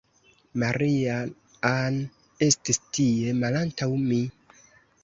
Maria-Ann estis tie, malantaŭ mi.